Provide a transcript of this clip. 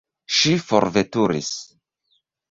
Ŝi forveturis.